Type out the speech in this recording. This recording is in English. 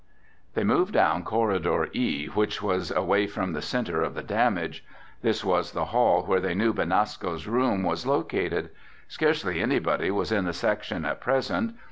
They moved down corridor "E," which was away from the center of the damage. This was the hall where they knew Benasco's room was located. Scarcely anybody was in the section at present.